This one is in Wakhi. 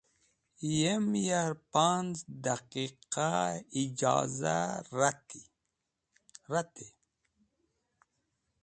Yem ya’r panz̃ daqiqa ijoza ratey.